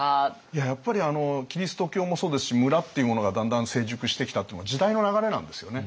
やっぱりキリスト教もそうですし村っていうものがだんだん成熟してきたっていうのが時代の流れなんですよね。